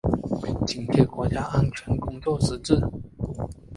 紧贴国家安全工作实际